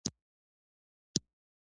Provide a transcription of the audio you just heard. په افغانستان کې پسه ډېر اهمیت لري.